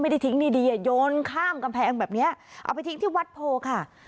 ทิ้งดีดีอ่ะโยนข้ามกำแพงแบบเนี้ยเอาไปทิ้งที่วัดโพค่ะ